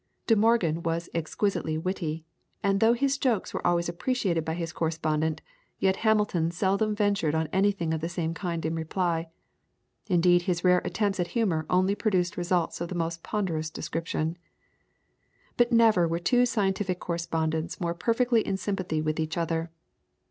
De Morgan was exquisitely witty, and though his jokes were always appreciated by his correspondent, yet Hamilton seldom ventured on anything of the same kind in reply; indeed his rare attempts at humour only produced results of the most ponderous description. But never were two scientific correspondents more perfectly in sympathy with each other.